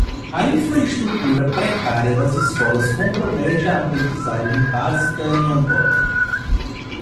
A infraestrutura precária das escolas compromete a aprendizagem básica em Angola